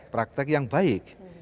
praktek yang baik